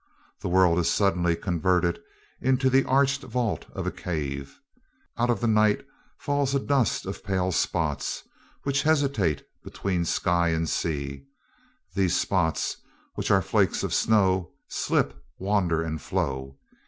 The world is suddenly converted into the arched vault of a cave. Out of the night falls a dust of pale spots, which hesitate between sky and sea. These spots, which are flakes of snow, slip, wander, and flow.